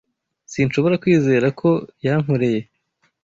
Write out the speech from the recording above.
Sinshobora kwizera ko yankoreye.